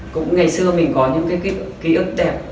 cũng ngày xưa mình có những cái ký ức đẹp